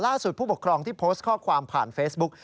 ผู้ปกครองที่โพสต์ข้อความผ่านเฟซบุ๊ก